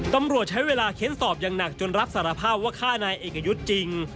ตำรวจใช้เวลาเค้นสอบอย่างหนักจนรับสารภาพว่าฆ่านายเอกยุทธ์จริง